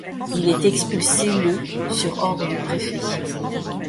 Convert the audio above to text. Il est expulsé le sur ordre du préfet.